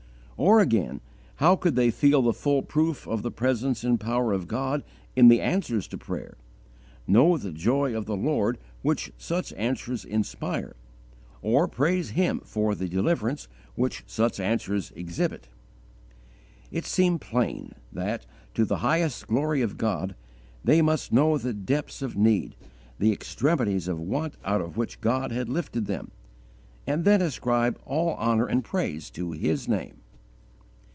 Or, again, how could they feel the full proof of the presence and power of God in the answers to prayer, know the joy of the Lord which such answers inspire, or praise Him for the deliverance which such answers exhibit? It seemed plain that, to the highest glory of God, they must know the depths of need, the extremities of want out of which God had lifted them, and then ascribe all honour and praise to His name.